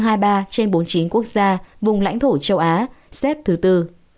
tổng số ca tử vong xếp thứ bốn trên bốn mươi chín quốc gia vùng lãnh thổ châu á xếp thứ bốn